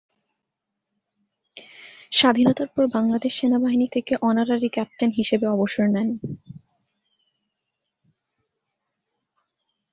স্বাধীনতার পর বাংলাদেশ সেনাবাহিনী থেকে অনারারি ক্যাপ্টেন হিসেবে অবসর নেন।